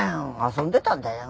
遊んでたんだよ。